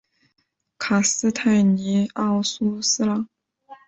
卡斯泰尼奥苏斯朗。